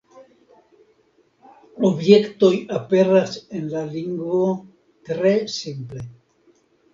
Objektoj aperas en la lingvo tre simple.